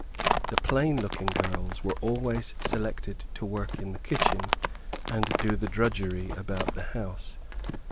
The plain looking girls were always selected to work in the kitchen, and do the drudgery about the house.